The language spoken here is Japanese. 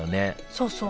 そうそう。